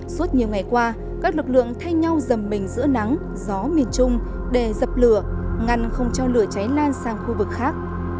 suốt nhiều ngày qua các lực lượng thay nhau dầm mình giữa nắng gió miền trung để dập lửa ngăn không cho lửa cháy lan sang khu vực khác